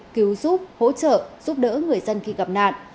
cứu giúp hỗ trợ giúp đỡ người dân khi gặp nạn